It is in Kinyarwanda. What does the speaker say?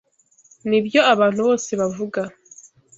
Nibyo abantu bose bavuga.